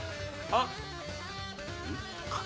あっ！